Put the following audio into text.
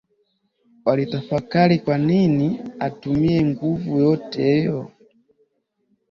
Walitafakari kwanini atumie nguvu yote hiyo